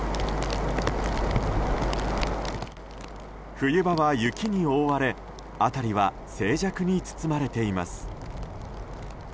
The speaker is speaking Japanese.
冬場は雪に覆われ辺りは静寂に包まれています。